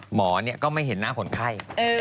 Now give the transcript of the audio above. หมอก็ไม่เห็นหน้าคนไข้